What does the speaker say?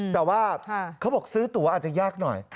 แต่ว่าเขาบอกซื้อตัวอาจจะยากหน่อย